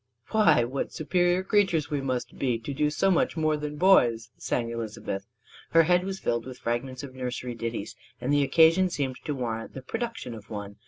"Why, what superior creatures we must be, to do so much more than boys," sang Elizabeth. Her head was filled with fragments of nursery ditties; and the occasion seemed to warrant the production of one.